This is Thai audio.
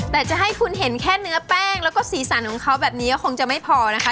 แต่จะให้คุณเห็นแค่เนื้อแป้งแล้วก็สีสันของเขาแบบนี้ก็คงจะไม่พอนะคะ